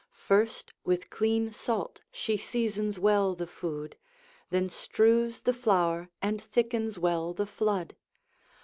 First with clean salt she seasons well the food, Then strews the flour, and thickens well the flood.